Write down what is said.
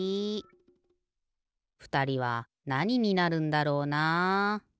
ふたりはなにになるんだろうな。